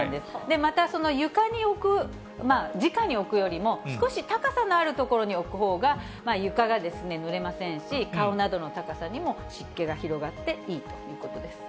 また床に置く、じかに置くよりも、少し高さのある所に置くほうが床がぬれませんし、顔などの高さにも湿気が広がっていいということです。